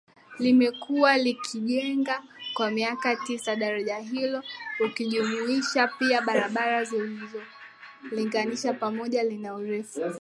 limekuwa likijengwa kwa miaka tisa Daraja hilo ukijumuisha pia barabara zinazolinganisha pamoja lina urefu